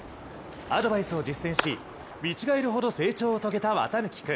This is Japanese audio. アドバイスを実践し見違えるほど成長を遂げた綿貫君。